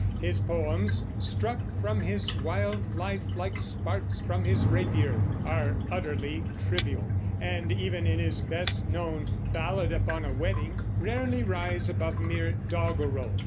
His poems, "struck from his wild life like sparks from his rapier," are utterly trivial, and, even in his best known "Ballad Upon a Wedding," rarely rise above mere doggerel.